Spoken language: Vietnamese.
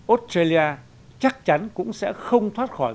australia chắc chắn cũng sẽ không thoát khỏi